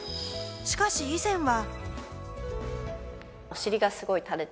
しかし以前は。